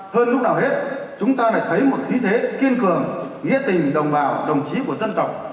hơn lúc nào hết chúng ta lại thấy một khí thế kiên cường nghĩa tình đồng bào đồng chí của dân tộc